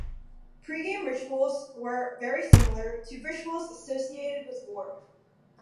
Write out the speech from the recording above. Pre-game rituals were very similar to rituals associated with war.